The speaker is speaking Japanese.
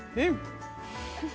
フフフ。